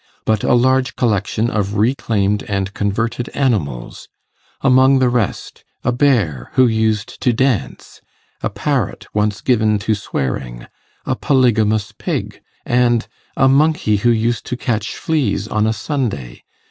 But a Large Collection of reclaimed and converted Animals: Among the rest A Bear, who used to dance! A Parrot, once given to swearing!! A Polygamous Pig!!! and A Monkey who used to _catch fleas on a Sunday!!!!